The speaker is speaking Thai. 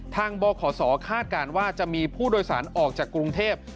บขศคาดการณ์ว่าจะมีผู้โดยสารออกจากกรุงเทพ